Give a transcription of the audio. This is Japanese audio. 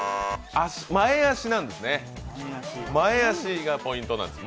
前足なんですね、前足がポイントなんです。